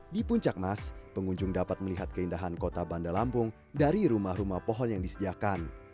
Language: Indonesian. di puncak mas pengunjung dapat melihat keindahan kota bandar lampung dari rumah rumah pohon yang disediakan